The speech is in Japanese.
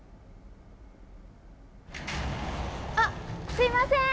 あっすいません！